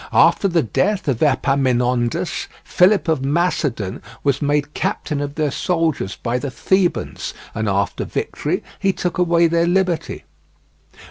After the death of Epaminondas, Philip of Macedon was made captain of their soldiers by the Thebans, and after victory he took away their liberty.